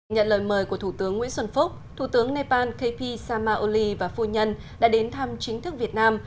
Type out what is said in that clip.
nhận lời mời của thủ tướng nguyễn xuân phúc thủ tướng nepal kp samaoli và phu nhân đã đến thăm chính thức việt nam